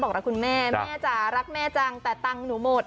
บอกรักคุณแม่แม่จ๋ารักแม่จังแต่ตังค์หนูหมด